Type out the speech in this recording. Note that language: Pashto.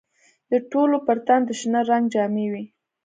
د ټولو پر تن د شنه رنګ جامې وې.